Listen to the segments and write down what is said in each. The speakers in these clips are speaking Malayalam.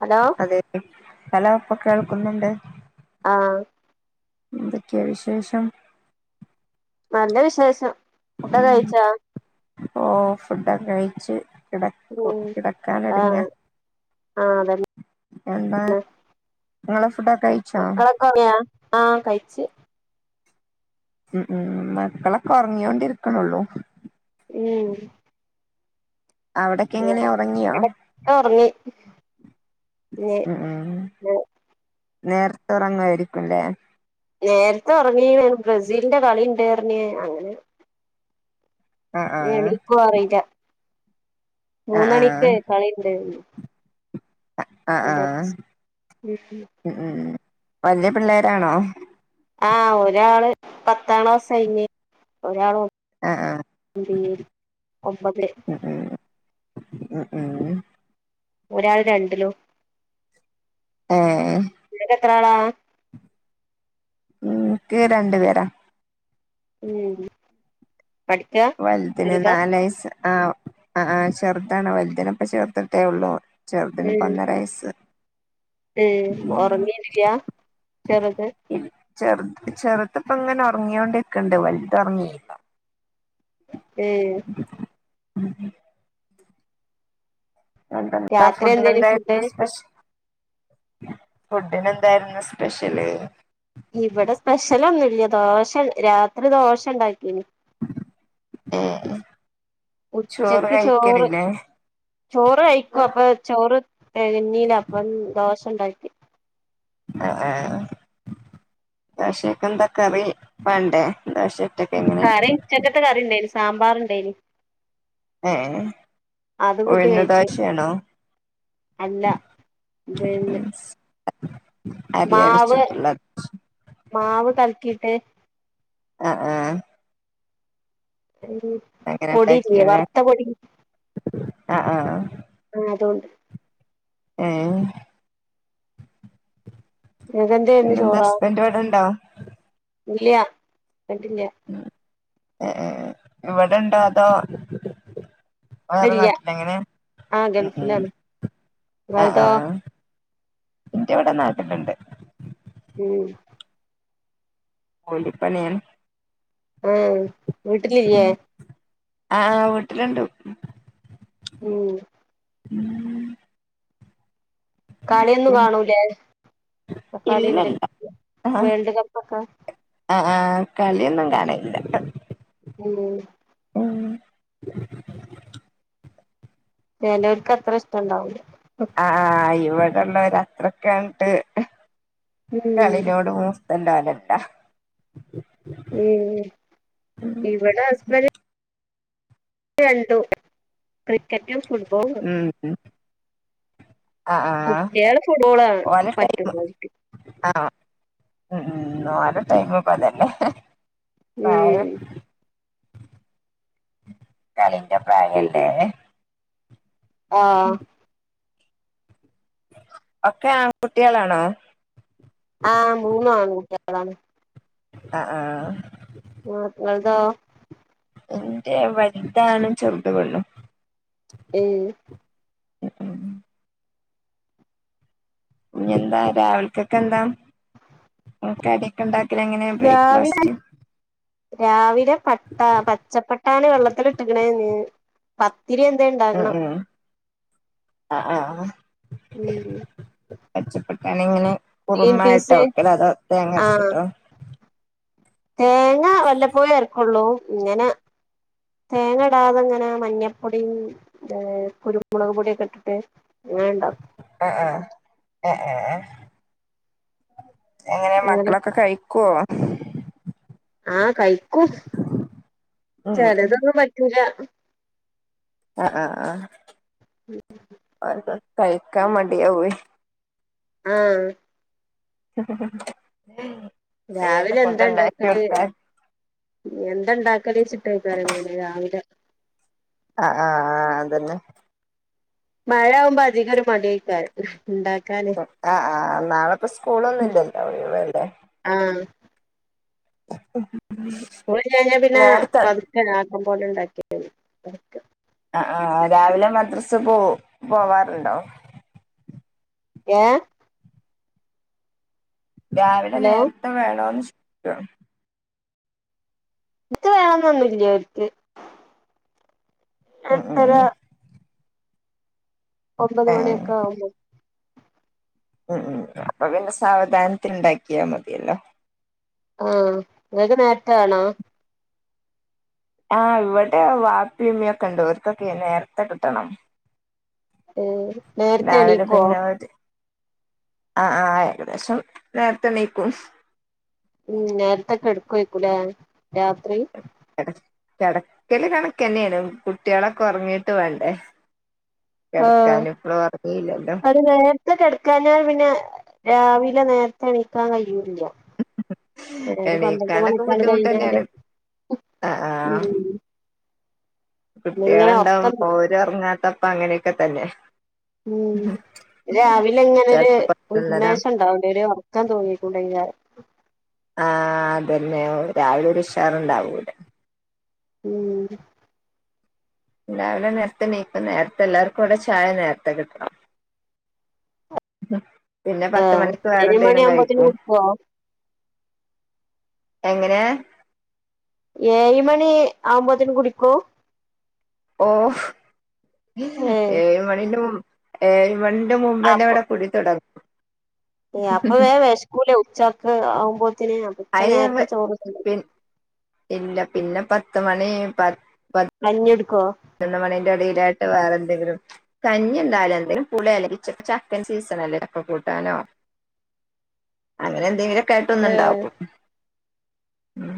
ഹലോ അതെ ഹലോ ഇപ്പൊ കേൾക്കുന്നുണ്ട് ആഹ എന്തൊക്കെയാ വിശേഷം നല്ല വിശേഷം ഫുഡ് കഴിച്ചാ ഓ ഫുഡ് ഒക്കെ കഴിച്ച് കിടക്കു ഉം കിടക്കാൻ ഒരുങ്ങ ആഹ് ആഹ് അതന്നെ എന്താ നിങ്ങളെ ഫുഡ് മക്കളൊക്കെ ഉറങ്ങിയ ആഹ കഴച്ച് ഉം ഉം മക്കളൊക്കെ ഉറങ്ങോണ്ടിരിക്കണള്ളൂ ഉം അവിടക്കെ എങ്ങനെയ ഉറങ്ങിയോ ഉ ആ ഉ നേരത്ത ഉറങ്ങമായിരിക്കുംല്ലേ നേരത്തെ ഉറങ്ങി ബ്രസീലിന്റെ കളി ഉണ്ട് പറഞ് അങ്ങനെ ആ ആ എനിക്കും അറിയില്ല ആ മൂന്നു മണിക്ക് കളിഉണ്ടന്ന് പറഞ്ഞു ആഹ് ആഹ് ഉ ഉ വലിയ പിള്ളേരാണോ ആഹ് ഒരാള് പത്താം ക്ലാസ് കഴിഞ്ഞ് ഒരാൾ ആ ആ [inaudible] ഒമ്പത് ആ ആ ഒരാൾ രണ്ടിലോ ആ എത്രളലാന്ന് ഉക്കെ രണ്ട് പേരാ ഉം പഠിക്കാ വല്ല്ത്തിന് ചെറുതാ നാലയസ്‌ ആഹ് ആ ചെറുതാണ് വലുതിനെ ഇപ്പൊ ചെർത്തിട്ടെ ഉള്ളൂ ചെറുതിന് ഇപ്പൊ ഉം ഒന്നര വാഴസ്സ് ഉം ഉരങ്ങനില്യ ചെറുത് ചെറു ചെറുത് ഇപ്പ ഇങ്ങനെ ഉറങ്ങിയോണ്ടൊക്കണ്ട് വലുത ഉറങ്ങിയില്ല ഏ ഉ ഉം എന്ത രാത്രി ഫുഡ എന്തേലും എന്തായിരുന്നു ഫുഡ് സ്പഷ ഫുഡിന് എന്തായിരുന്നു സ്പെഷ്യല് ഇവിടെ സ്പെഷ്യലൊന്നുംല്ല ദോശ രാത്രി ദോശ ഉണ്ടാക്കിന് [inaudible] ചോറ് ഉച്ചക്ക് ചോറ് കഴിക്കലില്ലേ ചോറ് കായിക്കും അപ്പൊ ചോറ് ഡ്രെയിനിൽ അപ്പം ദോശ ഉണ്ടാക്കി ആ ദോശക്ക് എന്താ കറി വേണ്ടേ ദോശ ആടയും ചക്കപയം അറിയേണ്ടെന്നു സാമ്പാർഉണ്ടെനി ഏഹ് അത് കൂട്ടി ഉഴുന്ന് കഴിച്ചു ദോശയാണോ അല്ല പിന്നെ അരി മാവ് അരച്ചിട്ടുള്ളത് മാവ് കൽക്കി ട്ട് അ ആ ഉം ഹു പൊടില്ലെ വറുത്ത പൊടി ആ ആ ആ അതോണ്ട് ഏഹ് നിങ്ങക്ക് എന്തേരുന്നു പിന്നെ എന്താ ഹസ്ബന്റ് ഇവിടെണ്ടോ ഇല്ല്യാ കണ്ടില്ലാ ഏ ഇവിടെണ്ടോ അതോ വേറെ ഇല്ല നാട്ടിലൊ എങ്ങനെ ആ ഉം ഉം ഗൾഫിലാണ് ആഹ് ആ ഇങ്ങളതോ ഇന്റെവിടെ നാട്ടില്ണ്ട് ഉം പൊള്ളി പനിയേനി ആഹ് വീട്ടിലില്ലെ ആഹ് ഹാ വീട്ടിലിണ്ട് ഉം [unintelligible] കളിയൊന്നും ഉം കാണൂലേ തക്കാളിണ്ട ഇല്ലല്ല വേൾഡ് കപ്പൊക്കെ ആഹ് കളിയൊന്നും കാണല്ലാട്ടോ ഉം ഉം ഞാനവർക്ക് അത്ര ഇഷ്ടം ഇണ്ടാവു ആ ആ- അള്ള അത്രക്ക് അങ്ങോട്ട്‌ ഉം കളനോട [unintelligible] ണ്ടാവാലട്ട [unintelligible] ഉം ഇവിടെ ഹസ്ബൻഡ് രണ്ടു ക്രിക്കറ്റും ഫുട്ബോ- ഉം ആ ആ കുട്ടികള് ഫുട്ബോൾ ആണ് പറ്റുന്ന- ഉര [unintelligible] ടൈമ പതല്ലേ വേറെ ഉം കാലിന്റെ പ്രായം അല്ലെ ആ ഒക്കെ ആൺകുട്ടികളാണോ ആഹ് മൂന്നും ആ ആാണ് ആ ആ ന്ത എന്റെ വലുതാന ചെറുത കൊൊള്ളു ഏ ഉ ഉ ഇനിെന്താ രാവിലക്കൊക്കെ എന്താ ടക്കെണ്ടാക്ക രാവിലെ രാവിലെ പട്ട പച്ചപ്പട്ടാണ് വെള്ളത്തിിട്ടിക്കണേ പത്ത് ഉം ഉ ആ് ഉം പച്ചപ്പട്ടാന ഇങ്ങനെ ഗ്രീൻ കുറുമ്പായിട്ടോ പീസ് വക്കല അതോ ആഹ് തേങ്ങരച്ചിട്ടോ തേങ്ങ വല്ലപ്പോഴേ ഇർക്കുള്ളൂ ഇങ്ങനെ തേങ്ങടാ അതെങ്ങനെ മഞ്ഞപ്പൊടിയും കുരുമുളക് പൊടിയൊക്കെ ഇട്ടിട്ട് അങ്ങനെ ഉണ്ടാക്കും ആഹ ആഹ ആഹ ആ എങ്ങനെ അങ്ങനെ മക്കളൊക്കെ കഴിക്കുവോ ആഹ കഴിക്കും ഉം ചിലതൊന്നും പറ്റില്ല ആഹ ആഹ ആഹക്ക കൈക്ക മിയ അ ആഹ ശ രാവിലെ എന്താ ഉണ്ടാക്കത് എന്താണ്ടാക്ക കളിച്ചിട്ടായിക്കാരങ്ങനെ രാവിലെ ആഹ ആഹ ആഹ് അതന്നെ മഴ ആകുമ്പോ അധികം ഒരു മടിക്ക ആഹ് ആ് നാളെ ഇപ്പ സ്കൂളൊന്നും ഇല്ലല്ലോ അവിടെ ഇടെല്ലേ ഉ പോഞ്ഞ പിന്നെ പ ൻ പോലെ ഉണ്ടാക്കിയ ആ രാവിലെ മദ്രസ് പോ പോവാറുണ്ടോ ഏ രാവിലെ ഹലോ നേരത്തെ വേണോന്ന് [unintelligible] ഇട്ട വേണംന്ന് വന്നില്ല അവർക്ക് ഉം എത്തര ഉം ഒമ്പത് ഏ മണിൊക്കെ ആും ഉം ഉ അപ്പൊ പിന്നെ സാവധാനത്തി ഉണ്ടാക്കിയാ മതിയല്ലോ ആഹ അതൊക്കെ നേട്ടാണോ ആഹ് ഇവിടെ വാപ്പിയമ്മയൊക്കെ ഉണ്ട് അവർക്കൊക്കെ നേരത്തെ കിട്ടണം ആഹ നേരത്തെ രാവിലെ എണീക്കൊ പിന്നെ ഒരു ആ ആ ഏകദേശം നേരത്തെ എഴുനാകും ഉം നേരത്തൊക്കെ കേതാകുവരും രാത്രി ട കിടക്കല് കണക്ക തന്നെയാണ് കുട്ടികളൊക്കെ ഉറങ്ങിട്ട് വേണ്ടേ ആഹ കിടക്കാന് ഇപ്പളും ഉറങ്ങിയില്ലല്ലോ അത് നേരത്തെ കിടക്കാന പിന്നെ രാവിലെ നേരത്തെ എണീക്കാൻ കഴിയും ഒരു പന്ത്രണ്ട് എണീക്കാനൊക്കെ മണക്കാൾ ബുദ്ധിമുട്ട് കഴിഞ്ഞല് തന്നെയാണ് ഉ കുട്ടികള ഇണ്ടാവും ഓരും ഇറങ്ങാത്ത അപ്പ അങ്ങനെയൊക്കെ തന്നെ ഉം രാവിലെ എങ്ങനെരു ചെലപ്പോ പത്തുള്ളതാ ഉപമേഷം ഉണ്ടാവ അവിടെ ഒരു ഇാൻ തോന്നിക്കൊണ്ട ഇഞ ആഹ അതന്നെ രാവിലെ ഷാർണ്ടാവൂലെ ഉം എല്ലാവിലെ നേരത്തെ നീപ്പ നേരത്തെ എല്ലാർക്കും ഇവിടെ ചായ നേരത്തെ കിട്ടണം പിന്നെ പത്ത് ആഹ മണിക്ക് വേറെ എരു മണി എന്തെങ്കിലും ആുമ്പോത്തന് കഴിക്കും വിടുക്കോ എങ്ങനെ എഴു മണി ആുമ്പോത്തന് കുടിക്ക ഓ ഏഹ് എഴു മണിലും ഏ രണ്ട്ു മുമ്പ്ന്നെ അപ്പൊ ഇവിടെ കുടി തുടങ്ങും അപ്പൊ വേ വ സ്കൂള ഉച്ച [unintelligible] അഛൻ അയിന് ഞമ്മ നേരത്തെ ചോദിച്ചു പി ഇല്ല പിന്നെ പത്ത് മണി പ മഞ്ഞെടുക്കോ എണ്ണ മണിന്റെ അടിയിലായിട്ട് വേറെ എന്തെങ്കിലും കഞ്ഞിണ്ടായാലും എന്തെങ്കിലും പുളില്ലച്ച ചക്കൻ സീസണ അല്ലേ ചക്കെ കൂട്ടാനോ അങ്ങനെ എന്തെങ്കിലും കേട്ട ഒന്ന ഏഹ് ഇണ്ടകും ഉം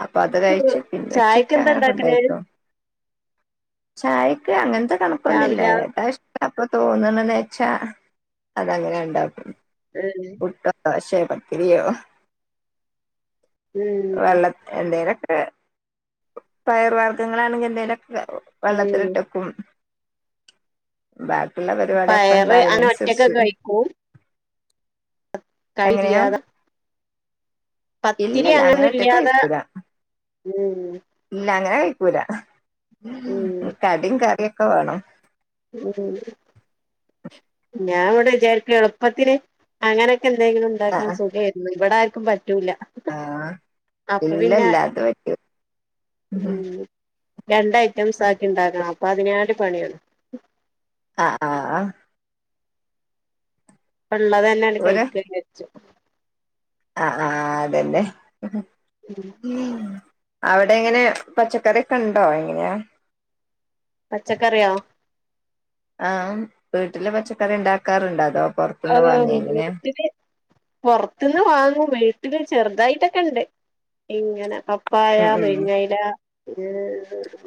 അപ്പൊ അത് കഴിച്ചു പിന്ന വെച്ചക്കെ ചായക്കെന്താ അങ്ങനെ ഇണ്ടാക്കല് ഉണ്ടായിക്കോ ക്ക എന്താണ് പെൺ ഇല്ലേ രാവിലെ അപ്പൊ തോന്നണന്ന് വച്ചാ അതങ്ങനെ ഉണ്ടാക്കും ഏഹ് ഒട്ടു ആശയ പത്തിരിയോ ഉം വെള്ള എന്തോര് കെ പയറു വർഗ്ഗങ്ങളാണ്. [unintelligible] വെറും ഉം വെള്ളത്തിലിട്ടക്കും. എന്നാലും പയറ് ഞാൻ ഒറ്റക്ക് കഴിക്കും. കറി എങ്ങനെയാ ഇല്ലാതെ. പത്തിരി ഇല്ലല്ല അങ്ങനെ അങ്ങന്നും ഒറ്റക്ക് ഇല്ലാതെ. കഴിക്കൂല ഉം ഇല്ല അങ്ങനെ കഴിക്കൂല്ല. ഉം കടിയും കറിയും. ഒക്കെ വേണം ഉം ഞാൻ ഇവിടെ വിചാരിക്കുകയാണ്, എളുപ്പത്തിന് അങ്ങനെ. എന്തെങ്കിലും ആ ഉണ്ടാക്കാൻ സുഖയായിരുന്നു ഇവിടെ. ബ റ്റൂല ആ അപ്പൊ പിന്നെ ഇല്ലല്ല അത് പറ്റൂ രണ്ട് ഐറ്റംസ് ആക്കി ഇ ണ്ടാക്കണം. അപ്പൊ അതിനാട്ട് പണിയാണ്. അ ആ പ്പള്ളതെന്നെയാണ്ട് ഒരു കഴിക്കാ ര്ച്ചു ആ ആ അതന്നെ ഉം. ഉം അവിടെ എങ്ങനെ പച്ചക്കറിക്കെ ഉണ്ടോ എങ്ങനെയാ പച്ചക്കറിയോ ആഹ വീട്ടില് പച്ചക്കറി ഇ ണ്ടാക്കാറുണ്ടോ അതോ ആ പുറത്തുന്ന് വാങ്ങേ എങ്ങനെയാ വീട്ടില് പൊർത്ത്ന്ന് വാങ്ങും. ട്ടില് ചെറുതായിട്ടൊക്കെ ഇണ്ട് ഇങ്ങനെ പ പ്പായ, ഉം ഉം മെരിങ്ങയില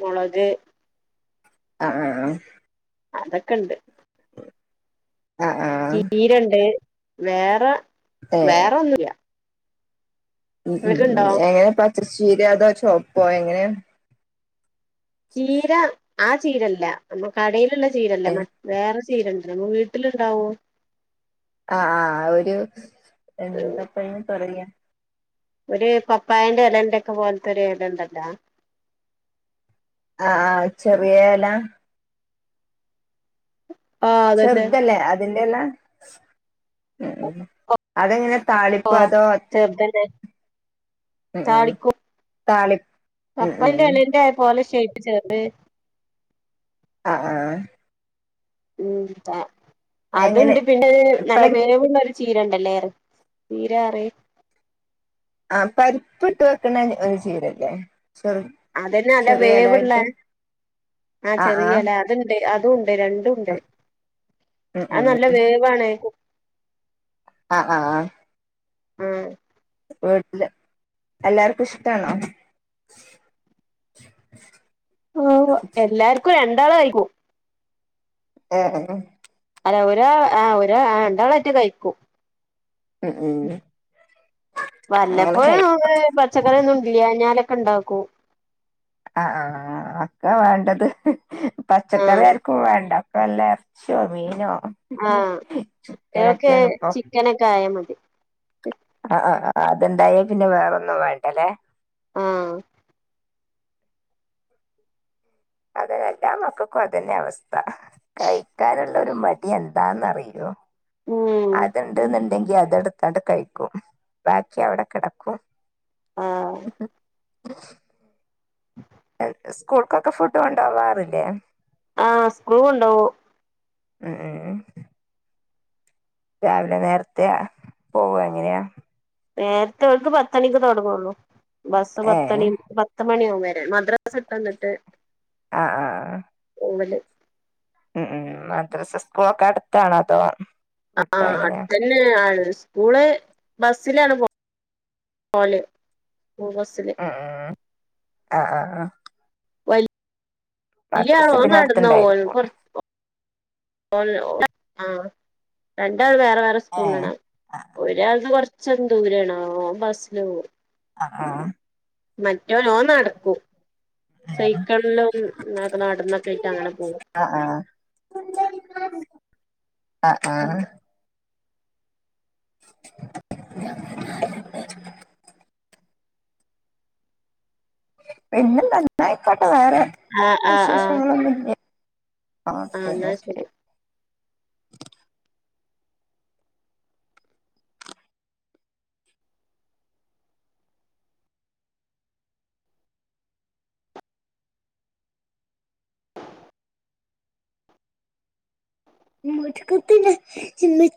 മൊളക് ആഹ ആഹ് ആഹ അതൊക്കെണ്ട്. ആഹ് ആഹ് ചീചീരണ്ട് വേറ ഏഹ് വേറെഒന്നുമില്ല ഉം ഉം ഉം എങ്ങനെ പ തൃശ്ശൂര് അതാചോ പോയെങ്ങനെയാ ചീര ആ ചീരല്ല നമ്മ കടയിലുള്ള ചീരല്ല മറ്റ വേറെ ചീരിണ്ട് അതാവുമ്പോ വീട്ടിലിണ്ടാവോ ആ ആ ഒരു എന്താപ്പയിന് പറയാ ഒരു പപ്പായേന്റെ ഇലന്റെക്കെ പോലത്തൊരു ഇലണ്ടല്ലാ ആഹ് ആഹ് ചെറിയേല ആഹ് അതന്നെ ചെറുതല്ലേ അതിൽ എന്ന അതെങ്ങനെ ഓ താളിപ്പോ അതോ ചെർതന്നെ ഉം ഉം താളിക്കും താളി ഉം കപ്പലി ഉം ണ്ടി [unintelligible] പോലിശ് [unintelligible] ആ ആ ഉം എ എങ്ങനെ അതുണ്ട് പിന്നെ നല്ല പരി വേവുള്ള ചീരണ്ടല്ലേറെ ചീര റി ആ പരിപ്പ് ഇട്ട് വെക്കണേ [unintelligible] ചീരല്ലാ അതന്നെ അല്ല വേവുള്ള ആ ചെറിയല അത്ണ്ട് അ രണ്ടും ഉണ്ട് ഉം ആ ഉം നല്ല വേവാണ് ആ ആ ആ ഉം വീട്ടില് എല്ലാർക്കും ഇഷ്ടാണോ [unintelligible] എല്ലാർക്കും രണ്ട് [unintelligible] കയിക്കും [unintelligible] അല്ല ഒരാ ആ ഒരാ രണ്ടാളായിട്ട് കഴിക്കും ഉം ഉം അങ്ങനെ വല്ലപ്പോഴ് കഴി പച്ചക്കറിയൊന്നും ഉണ്ട് ല്ല്യനല് ക്കഇണ്ടാക്കൂ ആ ആ ആർക്കാ വേണ്ടത് ആ പച്ചക്കറി ആർക്കും വേണ്ട ല്ല എറച്ചിയോ മീനോ ആഹ കുട്ട്യേൾക്ക് അങ്ങനൊക്കെയാണ് ഇപ്പൊ ചിക്കനൊക്കെ ആയാ മതി. ആ ആ അത്ണ്ടായ പിന്നെ വേറൊന്നും വേണ്ടല്ലേ ആ അതെ എല്ലാ മക്കൾക്കും അതന്നെ അവസ്ഥ കഴിക്കാനുള്ളരു മടി എന്താന്നറിയുവോ ഉം അതുണ്ടുന്നുണ്ടങ്കിൽ അ ത്‌ എടുത്തങ്ങോട്ട് കഴിക്കും ബാക്കി അവിടെ കിടക്കും ആ ഉം സ്കൂൾക്കൊക്കെ ഫുഡ് കൊണ്ടുപോവാറില്ലേ ആഹ് സ്ക്രുകൊണ്ടുപോകും ഏഹ് ഏഹ് രാവിലെ നേരത്തെ ആ പോവോ എങ്ങനെയാ നേരത്തെ ഇവൾക്ക് പത്തുമണിക്ക് തൊടങ്ങുള്ളു ബസ് ഏ പത്തുമണി പത്ത് മണിയവും വാ മദ്രാസ വിട്ടുവന്നിട്ട് ആഹ് ആഹ് ആഹ് പോലെ ഉം മദ്രസ സ്കൂളൊക്കെ അടുത്താണോ അതോ വിട്ടാ ആഹ് എങ്ങനെയാ അടുത്ത് തന്നെ അ സ്കൂള് ബസിലാണ് [inaudible] പോലെ ഓഹ് ബസില് ഉം ഉം ആഹ് ആഹ് ആ വ ലിയ ആള് ഓൻ പിന്നെ നടന്നു പോം ഓന് അടുത്തുണ്ടായിരിക്കും കൊറച്ചു [unintelligible] ആ രണ്ട് വേറെ വേറെ ഏ സ്കൂളിലാണ് ആഹ് ഒരാൾതെ കുറച്ച് കൊച്ച ദൂരണോ ഓൻ ബസ്സില് പോ ആ ആ മ ഓൻ നടക്കും സൈക്കള്ളും ക്കെ നടന്നൊക്കെ ആയിട്ട് അങ്ങനെ പോകും ആ ആ പിന്ന നന്നയിക്കോട്ടെ വേറെ ആഹ് ആഹ് ആഹ് വിശേഷങ്ങളൊന്നില്ലേ ആഹ് ഒക്കെ ന്നാ എന്നാ ശരി ശരി